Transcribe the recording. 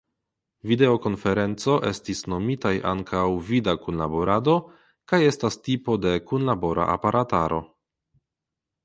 Videokonferenco estis nomitaj ankaŭ "vida kunlaborado" kaj estas tipo de kunlabora aparataro.